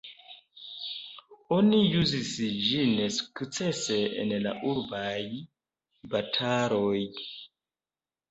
Oni uzis ĝin sukcese en la urbaj bataloj.